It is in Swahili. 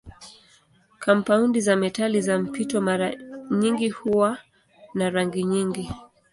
Kampaundi za metali za mpito mara nyingi huwa na rangi nyingi.